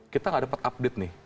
kita gak dapat update nih